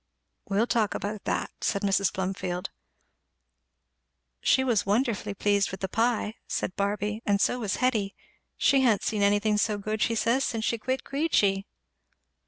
"We'll talk about that," said Mrs. Plumfield. "She was wonderful pleased with the pie," said Barby, "and so was Hetty; she ha'n't seen anything so good, she says, since she quit Queechy."